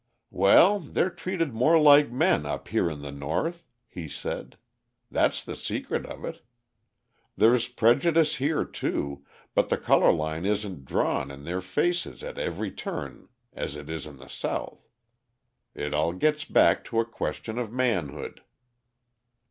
"Well, they're treated more like men up here in the North," he said, "that's the secret of it. There's prejudice here, too, but the colour line isn't drawn in their faces at every turn as it is in the South. It all gets back to a question of manhood."